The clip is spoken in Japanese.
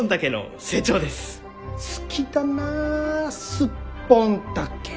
好きだなスッポンタケ！